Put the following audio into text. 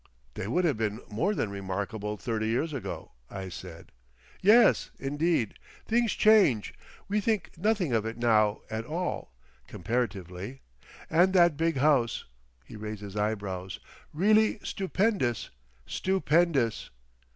"They would have been more than remarkable thirty years ago," I said. "Yes, indeed. Things change. We think nothing of it now at all—comparatively. And that big house—" He raised his eyebrows. "Really stupendous! Stupendous.